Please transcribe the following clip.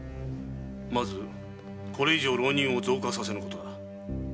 まずこれ以上浪人を増加させぬことだ。